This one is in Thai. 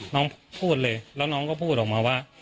น้องพูดเลยแล้วน้องก็พูดออกมาว่า